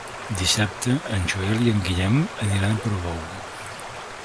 Dissabte en Joel i en Guillem aniran a Portbou.